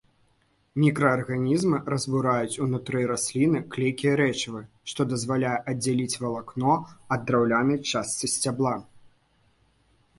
Мікраарганізмы разбураюць унутры расліны клейкія рэчывы, што дазваляе аддзяліць валакно ад драўнянай частцы сцябла.